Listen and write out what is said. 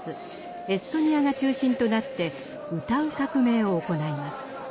エストニアが中心となって「歌う革命」を行います。